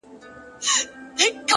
لوړ هدفونه روښانه تمرکز غواړي